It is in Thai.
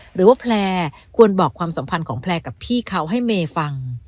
หรือว่าแพลร์ควรบอกความสัมพันธ์ของแพลร์กับพี่เขาให้เมย์ฟัง